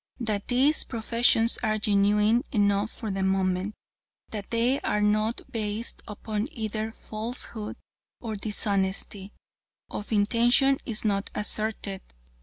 That these professions are genuine enough for the moment, that they are not based upon either falsehood or dishonesty of intention is not asserted.